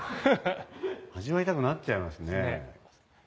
味わいたくなっちゃいますね。